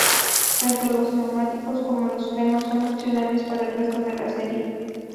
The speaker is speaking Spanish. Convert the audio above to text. Tanto los neumáticos como los frenos son opcionales para el resto de la serie.